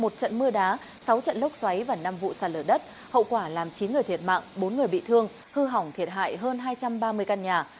một trận mưa đá sáu trận lốc xoáy và năm vụ sạt lở đất hậu quả làm chín người thiệt mạng bốn người bị thương hư hỏng thiệt hại hơn hai trăm ba mươi căn nhà